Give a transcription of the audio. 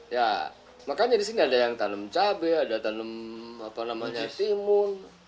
ya makanya di sini ada yang tanam cabai ada yang tanam apa namanya timun